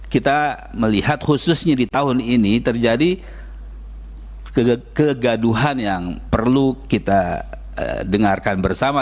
kita melihat khususnya di tahun ini terjadi kegaduhan yang perlu kita dengarkan bersama